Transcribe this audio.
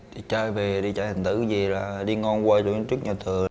đi chơi về đi chơi hình tử gì là đi ngon quay đường trước nhà thờ